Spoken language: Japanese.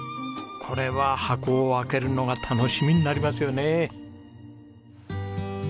これは箱を開けるのが楽しみになりますよね。